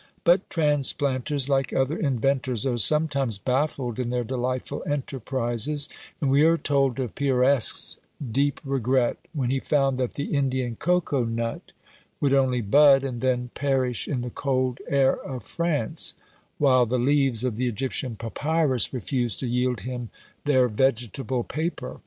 But transplanters, like other inventors, are sometimes baffled in their delightful enterprises; and we are told of Peiresc's deep regret when he found that the Indian cocoa nut would only bud, and then perish in the cold air of France, while the leaves of the Egyptian papyrus refused to yield him their vegetable paper.